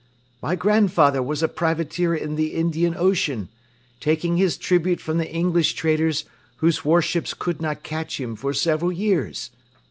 My grandfather was a privateer in the Indian Ocean, taking his tribute from the English traders whose warships could not catch him for several years.